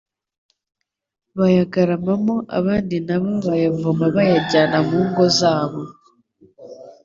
bayagaramamo abandi na bo bayavoma bakayajyana mu ngo zabo.